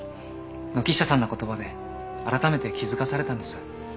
軒下さんの言葉であらためて気付かされたんです。